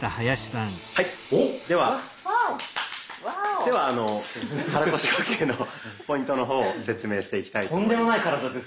ではあの肚腰呼吸のポイントの方を説明していきたいと思います。